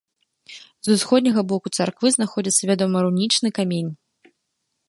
З усходняга боку царквы знаходзіцца вядомы рунічны камень.